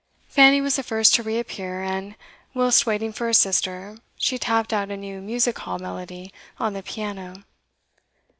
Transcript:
Fanny was the first to reappear, and, whilst waiting for her sister, she tapped out a new music hall melody on the piano.